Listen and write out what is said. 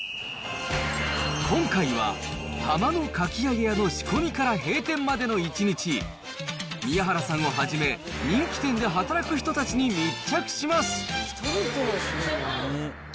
今回は、浜のかきあげやの仕込みから閉店までの１日、宮原さんをはじめ、人気店で働く人たちに密着します。